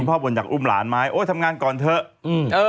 คุณพ่อบ่นอยากอุ้มหลานไม้โอ๊ยทำงานก่อนเถอะอืมเออ